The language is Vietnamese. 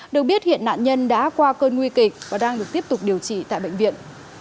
được biết hiện nạn nhân đã qua cơn nguy kịch và đang được tiếp tục điều trị tại bệnh viện